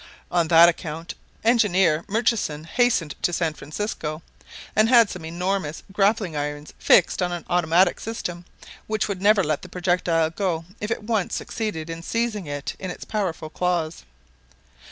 On that account Engineer Murchison hastened to San Francisco, and had some enormous grappling irons fixed on an automatic system, which would never let the projectile go if it once succeeded in seizing it in its powerful claws.